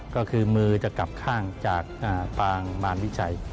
ก็คือมือจะกลับข้างจากปางมารวิชัย